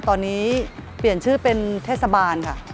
ตอนนี้เปลี่ยนชื่อเป็นเทศบาลค่ะ